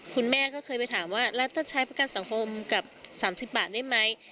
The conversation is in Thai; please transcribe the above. คุณแม่ก็เคยไปถามว่าแล้วถ้าใช้ประกันสังคมกับ๓๐บาทได้ไหม